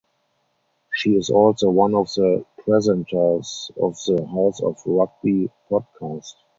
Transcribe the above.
She is also one of the presenters of the "House of Rugby" podcast.